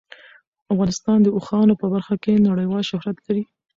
افغانستان د اوښانو په برخه کې نړیوال شهرت لري.